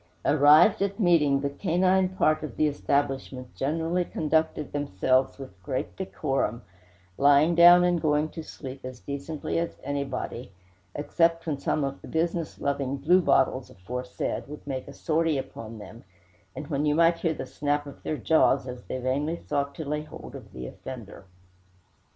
Arrived at meeting, the canine part of the establishment generally conducted themselves with great decorum, lying down and going to sleep as decently as anybody present, except when some of the business loving bluebottles aforesaid would make a sortie upon them, when you might hear the snap of their jaws as they vainly sought to lay hold of the offender.